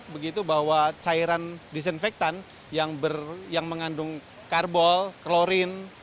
begitu bahwa cairan disinfektan yang mengandung karbol klorin